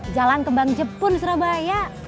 jalan kembang jepun surabaya